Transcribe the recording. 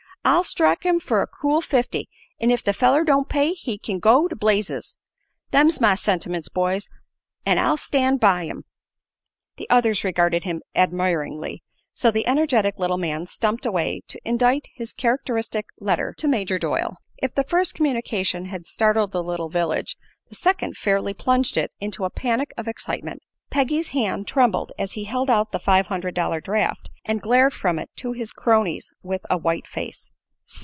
"I'll strike him fer a cool fifty, an' if the feller don't pay he kin go to blazes. Them's my sentiments, boys, an' I'll stand by 'em!" The others regarded him admiringly, so the energetic little man stumped away to indite his characteristic letter to Major Doyle. If the first communication had startled the little village, the second fairly plunged it into a panic of excitement. Peggy's hand trembled as he held out the five hundred dollar draft and glared from it to his cronies with a white face.